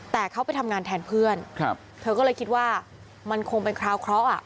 แต่เขาไปทำงานแทนเพื่อนเธอก็เลยคิดว่ามันคงเป็นคราวเคราะห์